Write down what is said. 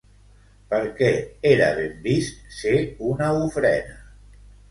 Per què era ben vist ser una ofrena?